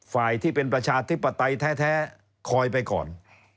ฝ่ายที่เป็นประชาธิปไตยแท้คอยไปก่อน